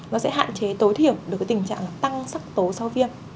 nó sẽ hạn chế tối thiểu được cái tình trạng tăng sắc tố sau viêm